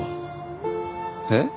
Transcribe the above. えっ？